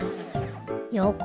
よこ。